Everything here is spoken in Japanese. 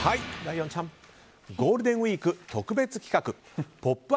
ゴールデンウィーク特別企画「ポップＵＰ！」